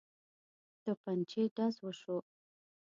توپنچې ډز وشو.